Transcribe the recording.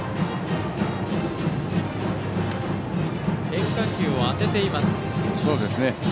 変化球を当てています。